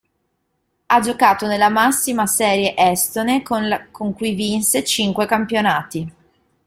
Ha giocato nella massima serie estone con l' con cui vinse cinque campionati.